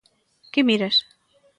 ¿Que miras?